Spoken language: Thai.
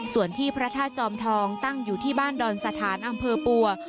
ส่วนที่พระธาตุจอมทองตั้งอยู่ที่บ้านดอนสถานอำเภอปัว